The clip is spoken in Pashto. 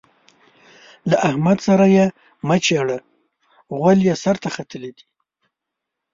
له احمد سره يې مه چېړه؛ غول يې سر ته ختلي دي.